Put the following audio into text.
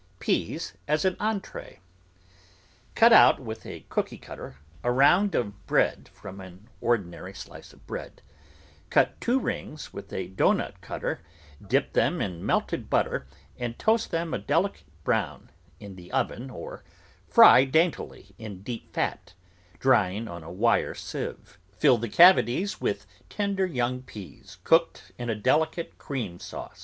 PEAS AS AN ENTREE Cut out with a cookie cutter a round of bread from an ordinary slice of bread; cut two rings with a doughnut cutter; dip them in melted but ter and toast them a delicate brown in the oven or fry daintily in deep fat, drying on a wire sieve; fill the cavities with tender young peas cooked in a deHcate cream sauce.